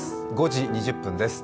５時２０分です。